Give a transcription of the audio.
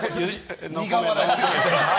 苦笑い。